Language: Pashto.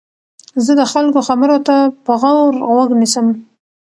زه د خلکو خبرو ته په غور غوږ نیسم.